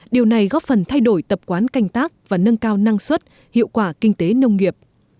điều này góp phần thay đổi tập quán canh tác và nâng cao năng suất hiệu quả kinh tế nông nghiệp